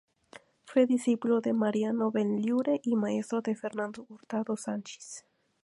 Fue discípulo de Mariano Benlliure y maestro de Fernando Hurtado Sanchís.